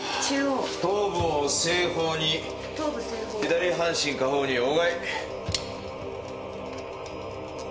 頭部を西方に左半身下方に横臥。